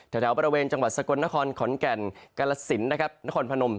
แถวบริเวณจังหวัดสะกดนครขอนแก่นกรรศิลป์นครพนม